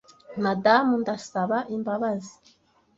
madamu ndasaba imbabazi